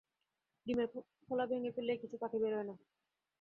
ডিমের খোলা ভেঙে ফেললেই কিছু পাখি বেরোয় না।